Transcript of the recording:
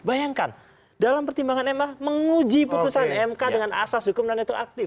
bayangkan dalam pertimbangan ma menguji putusan mk dengan asas hukum non retroaktif